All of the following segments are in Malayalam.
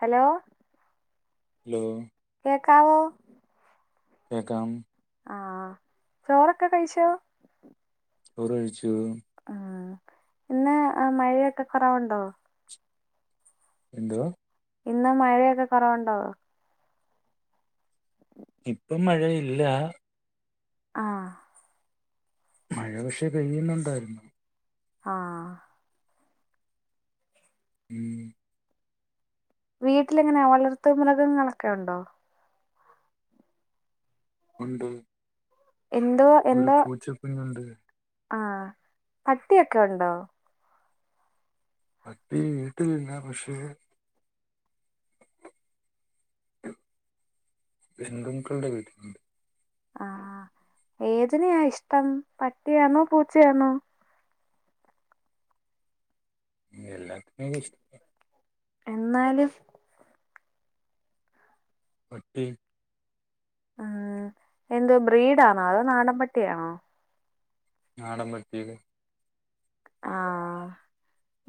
ഹലോ ഹലോ കേക്കാവോ? കേക്കാം. ആഹ് ചോറൊക്കെ കഴിച്ചോ? ചോറുകഴിച്ചു. ആഹ് ഇന്ന് മഴയൊക്കെ കൊറവ്ണ്ടോ? എന്തോ ഇന്ന് മഴയൊക്കെ കൊറവുണ്ടോ? ഇപ്പം മഴയില്ല ആഹ് മഴ പക്ഷെ പെയ്യുന്നുണ്ടായിരുന്നു. ആഹ് ഉം വീട്ടിലെങ്ങനെ വളർത്ത് മൃഗങ്ങളൊക്കെ ഒണ്ടോ? ഉണ്ട് എന്ത്വ? ഒരു പൂച്ച കുഞ്ഞുണ്ട്. ആഹ് പട്ടിയൊക്കെ ഒണ്ടോ? പട്ടി വീട്ടിലില്ല. പക്ഷെ [unintelligible] ബന്ധുക്കളുടെ വീട്ടിലുണ്ട്. ആഹ് ഏതിനെയാ ഇഷ്ടം? പട്ടിയാന്നോ പൂച്ചയാന്നോ? എല്ലാത്തിനേം ഇഷ്ടാ. എന്നാലും പട്ടി ഉം എന്ത് ബ്രീഡാന്നോ അതോ നാടൻപട്ടിയെയാണോ? നാടൻ പട്ടിടെ ആഹ്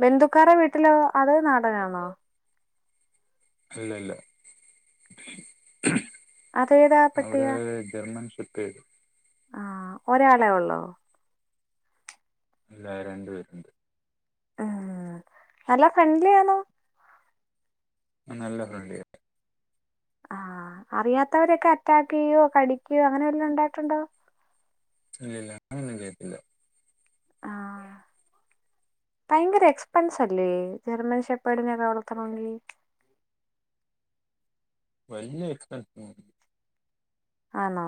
ബന്ധുക്കാരെ വീട്ടിലോ അത് നാടനാന്നോ? അല്ലല്ല അതേതാ അവിടേ പട്ടിയാ ജർമ്മൻ ഷേപ്പേട്. ആഹ് ഒരാളെ ഒള്ളോ? ഇല്ല രണ്ടു പേരുണ്ട്. ആഹ് നല്ല ഫ്രണ്ട്ലി ആണോ? ഉം നല്ല ഫ്രണ്ട്ലിയ ആഹ് അറിയാത്തവരൊക്കെ അറ്റാക്ക് ചെയ്യോ കടിക്കയോ അങ്ങനെ വല്ലോം ഒണ്ടായിട്ടുണ്ടോ? ഇല്ല ഇല്ല അങ്ങനൊന്നും ചെയ്യത്തില്ല. ആഹ് ഭയങ്കര എക്സ്പെൻസല്ലേ ജർമ്മൻ ശെപ്പാടിനൊക്കെ വളർത്തണോങ്കി. വലിയ എക്സ്‌പെൻസ ആണോ?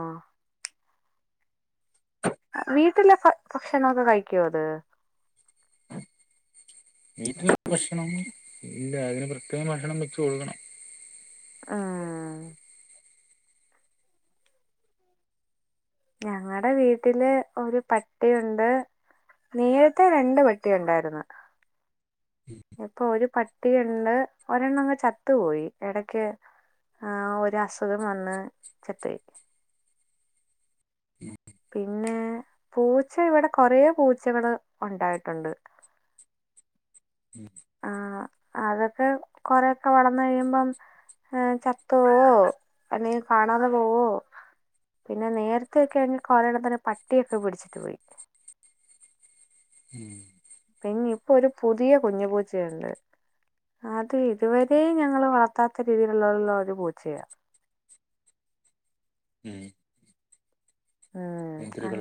വീട്ടിലെ ഭ ഭക്ഷണൊക്കെ കഴിക്കുവോ അത്? [unintelligible] വീട്ടില് ഭക്ഷണം ഇല്ല അതിന് പ്രത്യേകം ഭക്ഷണം വെച്ച് കൊടുക്കണം ആഹ് ഞങ്ങടെ വീട്ടില് ഒരു പട്ടിയൊണ്ട് നേരത്തെ രണ്ട് പട്ടി ഒണ്ടാരുന്ന് ഉം ഇപ്പോ ഒരു പട്ടിയൊണ്ട് ഒരെണ്ണം അങ്ങ് ചത്തു പോയി എടക്ക് ആഹ് ഒരസുഖം വന്ന് ചത്തോയ് ഉ പിന്നെ പൂച്ച ഇവടെ കൊറേ പൂച്ചകള് ഒണ്ടായിട്ടോണ്ട് ഉം ആഹ് അതക്കെ കൊറെയൊക്കെ വളന്ന് കഴിയുമ്പം ആഹ് ചത്തോവോ അല്ലങ്കി കാണാതെ പോവോ പിന്നെ നേരത്തെക്കെ ആണെങ്കി കൊറെണതിനെ പട്ടിയൊക്കെ പിടിച്ചിട്ട് പോയി ഉം പിന്നെ ഇപ്പോ ഒരു പുതിയ കുഞ്ഞു പൂച്ചയൊണ്ട് അത് ഇതുവരെ ഞങ്ങള് വളർത്താത്ത രീതിലുള്ളള്ളോരു പൂച്ചയാ ഉം എന്തൊരു കളറ്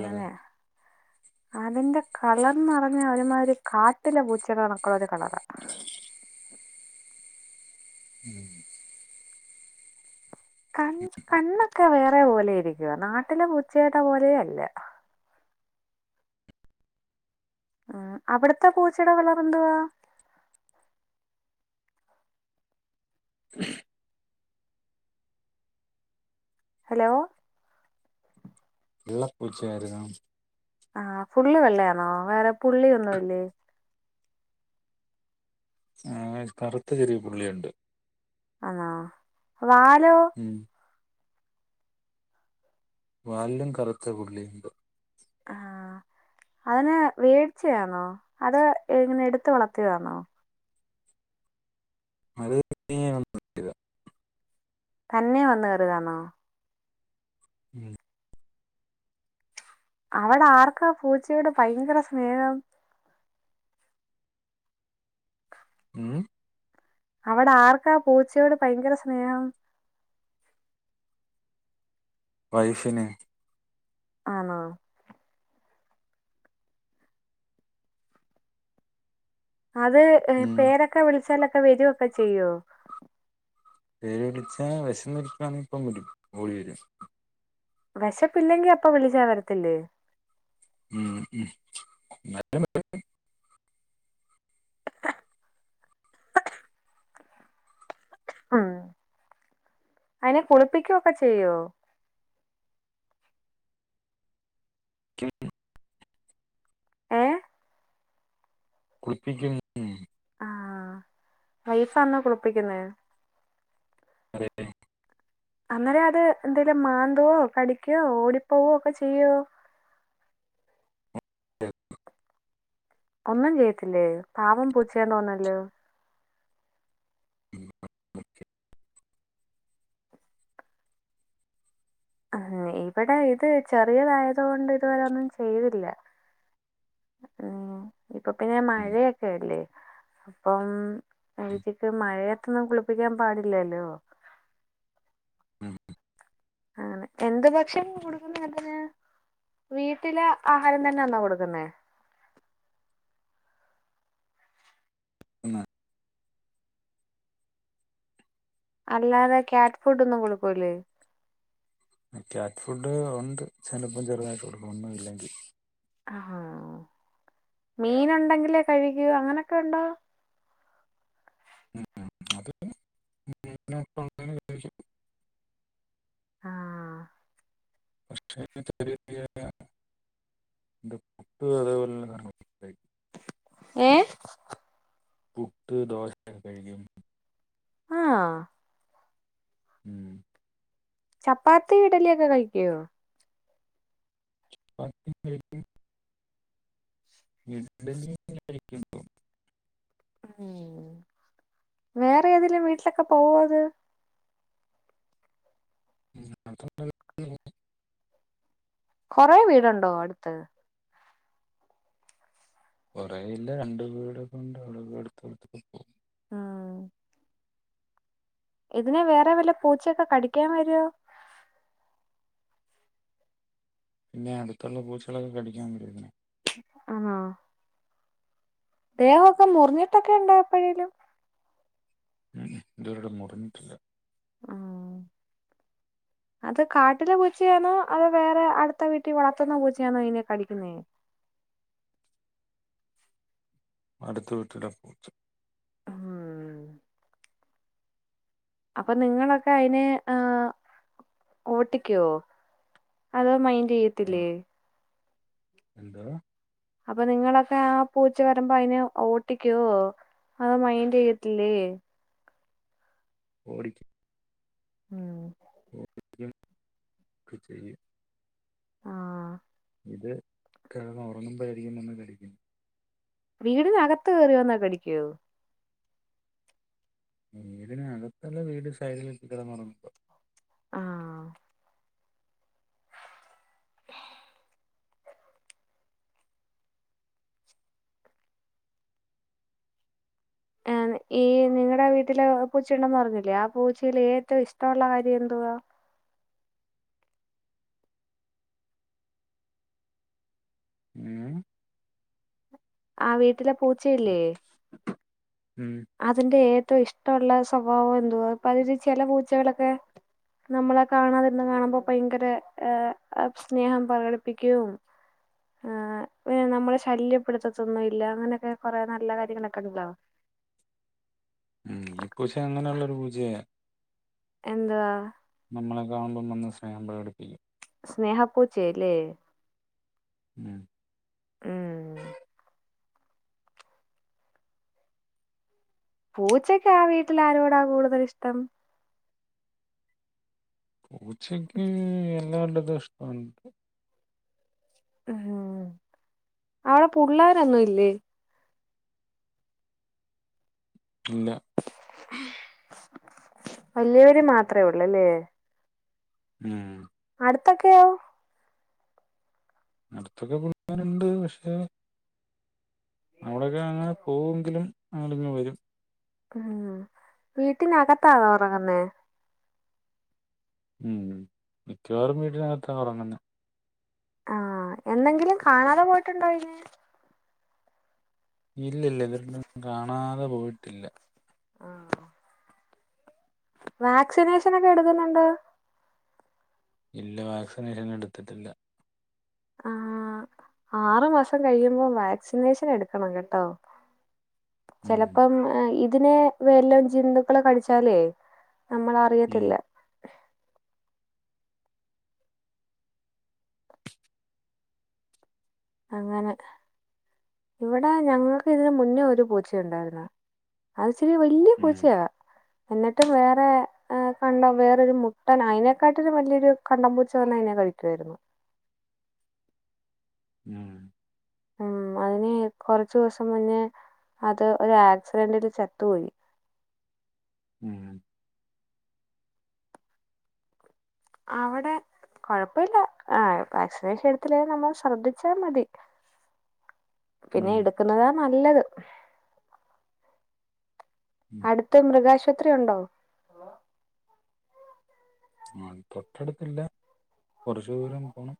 അതിന്റെ കളർന്ന് പറഞ്ഞ ഒര്മാതിരി കാട്ടിലെ പൂച്ചേടെ കണക്കോള്ള ഒരു കളറാ ഉം കണ് കണ്ണൊക്കെ വേറെ പോലെ ഇരിക്കുവാ നാട്ടിലെ പൂച്ചേടെ പോലെയല്ല. ആഹ് അവടത്തെ പൂച്ചേടെ കളറെന്തുവാ? ഉ ഹലോ വെള്ള പൂച്ചയാരുന്നോ ആഹ് ഫുള്ള് വെള്ളയാണോ വേറെ പുള്ളിയൊന്നുവില്ലേ ആഹ് കറുത്ത ചെറിയ പുള്ളിയൊണ്ട് ആഹ് വാലോ? ഉം വാലിലും കറുത്ത പുള്ളിയൊണ്ട് ആഹ് അതിനെ വേടിച്ചയാന്നോ അത് എങ്ങനെ എടുത്ത് വളത്തിയാണോ? [unintelligible] തന്നെ വന്ന് കേറിതാണോ. ഉം അവടാർക്കാ പൂച്ചയോട് ഭയങ്കര സ്നേഹം ഉം അവടാർക്കാ പൂച്ചയോട് ഭയങ്കര സ്നേഹം? വൈഫിന് ആണോ? അത് ഉം പേരൊക്കെ വിളിച്ചാലൊക്കെ വരോക്കെ ചെയ്യോ? പേര് വിളിച്ചാ വെശന്നിരിക്കുവന്നേ ഇപ്പം വരും ഓടി വരും വെശപ്പില്ലെങ്കി അപ്പ വിളിച്ച വരത്തില്ലേ [unintelligible] ആഹ് അതിനെ കുളിപ്പിക്കുവോക്കെ ചെയ്യോ [unintelligible] ഏഹ് കുളിപ്പിക്കും ആ വൈഫാന്നോ കുളിപ്പിക്കുന്നെ അതെന്നെ അന്നേരം അത് എന്തെലും മാന്തവോ കടിക്കോ ഓടിപ്പോകോ ഒക്കെ ചെയ്യുവോ. ആ ഒന്നും ചെയ്യത്തില്ലേ പാവം പൂച്ചയാന്ന് തോന്നല്ലോ [unintelligible] ആ ഇവിടെ ഇത് ചെറിയതായത് കൊണ്ട് ഇതുവരെ ഒന്നും ചെയ്തില്ല ഉം ഇപ്പൊ പിന്നെ ഉം മഴൊക്കല്ലേ അപ്പം ഏച്ചിക്ക് മഴത്തൊന്നും കുളിപ്പിക്കാൻ പാടില്ലല്ലോ. ഉം ആണ് എന്ത് ഭക്ഷണം കൊടുക്കുന്ന അതിന് വീട്ടില് ആഹാരം തന്നന്നോ കൊടുക്കുന്നേ എന്ന അല്ലാതെ ക്യാറ്റ് ഫുഡ് ഒന്നും കൊടുക്കൂല്ലേ ആ ക്യാറ്റ് ഫുഡ് ഉണ്ട് ചിലപ്പം ചെറുതായിട്ട് കൊടുക്കും ഒന്നും ഇല്ലെങ്കി ആഹാ മീൻ ഉണ്ടെങ്കിലേ കഴുകു അങ്ങനെക്കെ ഉണ്ടോ ഉം അത് [unintelligible] മീനൊക്കെ കൊടുത്താലേ കഴിക്കു ആഹ് പക്ഷേ ചെറിയ ചെറിയ [unintelligible] അതേപോലുള്ള സാനങ്ങളും ഏഹ് പുട്ട് ദോശയൊക്കെ കഴിക്കും ആഹ്. ഉം ചപ്പാത്തി ഇഡലിയൊക്കെ കഴിക്കോ ചപ്പാത്തി കഴിക്കും ഇഡലി കഴിക്കും ഉം വേറെ ഏതെലും വീട്ടിലൊക്കെ പോവൊത് ഉം അതെപ്പഴും ഉ കൊറേ വീടുണ്ടോ അടുത്ത് കുറേ ഇല്ല രണ്ട് വീടൊക്ക കൊണ്ട് അവിടെ അടുത്തടുത്തൊക്കെ പോകും. ആഹ്. ഇതിനെ വേറെ വല്ല പൂച്ചക്കെ കടിക്കാൻ വരോ പിന്നെ അടുത്തുള്ള പൂച്ചളൊക്കെ കടിക്കാൻ വേരും ഇതിനെ ആണോ ദേഹൊക്കെ മുറിഞ്ഞിട്ടൊക്കെ ഉണ്ടാ എപ്പഴേലും ഉം ഇതുവരെട്ട് മുറിഞ്ഞിട്ടില്ല. ആഹ് അത് കാട്ടിലെ പൂച്ചയാണോ അത് വേറെ അടുത്ത വീട്ടി വളർത്തുന്ന പൂച്ചയാണോ ഇതിനെ കടിക്കുന്നേ അടുത്ത വീട്ടിലെ പൂച്ച അപ്പൊ നിങ്ങളൊക്കെ അയിന് ആഹ് ഓട്ടിക്കോ അതോ മൈന്റ് ചെയ്യത്തില്ലേ? എന്തവ അപ്പൊ നിങ്ങളൊക്കെ ആ പൂച്ച വരുമ്പോ അയിനെ ഓട്ടിക്കുവോ അതോ മൈന്റ് ചെയത്തില്ലേ ഓടി മ് [unintelligible] ചെയ ആ ഇത് കെടന്ന് ഉറങ്ങുമ്പോ ആയിരിക്കും വന്ന് കടിക്കുന്ന- വീടിനകത്ത് കയറി വന്നാ കടിക്കോ വീടന് അകത്തല്ല വീട് സൈഡിലൊക്ക കിടന്നോറങ്ങുമ്പോ ആ ഈ നിങ്ങളുടെ വീട്ടില് പൂച്ചയുണ്ടന്ന് പറഞ്ഞില്ലേ ആ പൂച്ചിൽ ഏറ്റവും ഇഷ്ടമുള്ള കാര്യം എന്തുവാ മ് ആ വീട്ടിലെ പൂച്ചയില്ലേ മം അതിന്റെ ഏറ്റവും ഇഷ്ടമുള്ള സ്വഭാവം എന്തുവാ പ്പ അതി ചില പൂച്ചകളൊക്കെ നമ്മളെ കാണാതിരുന്ന് കാണുമ്പോ ഭയങ്കര ആ മ് സ്നേഹം പ്രകടിപ്പിക്കും ആ പിന്നെ നമ്മെ ശല്യപ്പെടുത്തത്തൊന്നും ഇല്ല അങ്ങനെയൊക്കെ കൊറേ നല്ല കാര്യങ്ങളൊക്കെ ണ്ടോ മ് ഈ പൂച്ചെ അങ്ങനെയുള്ളൊരു പൂച്ചയാ എന്താ നമ്മളെ കാണുമ്പോൾ വന്ന് സ്നേഹം പ്രകടിപ്പിക്കും സ്നേഹ പൂച്ചയല്ലേ മ് ഉം പൂച്ചക്ക് ആ വീട്ടിൽ ആരോടാ കൂടുതൽ ഇഷ്ടം പൂച്ചക്ക് എല്ലാ നല്ലത്ഷ്ട്ടുണ്ട് മ് അവിടെ പുള്ളോരൊന്നും ഇല്ലേ ഇല്ലാ വലിയവര് മാത്രേ ഉള്ളല്ലേ മ് അട്‌ത്തൊക്കെയോ അടുത്തൊക്കെ പിള്ളാരുണ്ട് പക്ഷെ അവിടോക്കെ അങ്ങനെ പോവുങ്കിലും അങ്ങട്ടന്നെ വരും മ് വീട്ടിനകത്താണോ ഉറങ്ങുന്നേ മ് മിക്കവാറും വീടിനകത്താ ഉറങ്ങ്ന്നെ അ എന്നെങ്കിലും കാണാതെ പോയിട്ടുണ്ടോ അയ്നെ ഇല്ല ല്ല [unintelligible] കാണാതെ പോയിട്ടില്ല ആ വാക്സിനേഷൻ ഒക്കെ എടുക്കുന്നുണ്ടോ ഇല്ല വാക്സിനേഷൻ എടുത്തിട്ടില്ല ആ ആറു മാസം കഴിയുമ്പോം വാക്സിനേഷൻ എടുക്കണം കേട്ടോ ഉം ചെലപ്പം ഇതിനെ വല്ലം ജന്തുക്കള് കടിച്ചാലേ നമ്മള ഉം അറിയത്തില്ല അങ്ങനെ ഇവിടെ ഞങ്ങൾക്ക് ഇതിന് മുന്നേ ഒരു പൂച്ച ണ്ടായിര്ന്ന് അതിച്ചിരി വലുത- വല്ല്യ ഉം പൂച്ചയാ എന്നിട്ടും വേറെ കണ്ട വേറൊരു മുട്ടൻ അയിനെക്കാട്ടിലു വലിയൊരു കണ്ടമ്പൂച്ച വന്ന അയിനെ കഴി ക്കേര്ന്നു മ് ഉം അതിന് കൊറച്ചു ദിവസം മുന്നേ അത് ഒരു ആക്സിഡന്റില് ചത്തുപോയി. ഉം അവിടെ കൊഴപ്പമില്ല ആ വാക്സിനേഷൻ എടുത്തില്ലേ നമ്മൾ ശ്രദ്ധിച്ചാ മതി ഉം പിന്നെടുക്കുന്നതാ നല്ലത് ഉം അടുത്ത മൃഗാശുപത്രി ഉണ്ടോ ആ തൊട്ടടുത്തില്ല കുറച്ച് ദൂരം പോണം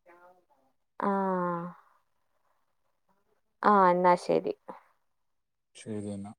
ആഹ ആ ന്നാ ശരി ശരിയെന്നാ